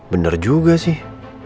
bener juga sih